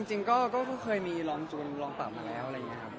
จริงก็เคยมีล้อมจูนล้อมปรับมาแล้วเลยครับ